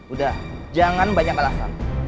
udah jangan banyak alasan